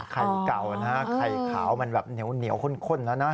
ไข่เก่านะไข่ขาวมันแบบเหนียวข้นแล้วนะ